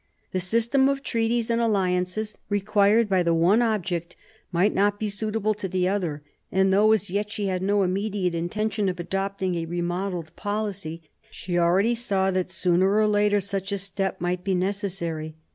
The system of treaties and alliances required by the one object might not be suitable to the other; and though as yet she had no immediate intention of adopting a remodelled policy, she already saw that sooner or later such a step might be necessary.